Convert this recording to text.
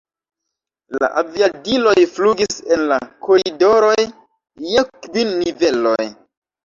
La aviadiloj flugis en la koridoroj je kvin niveloj.